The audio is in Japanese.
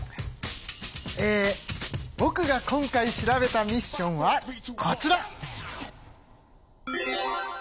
えぼくが今回調べたミッションはこちら！